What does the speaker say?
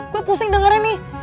gue pusing dengarnya nih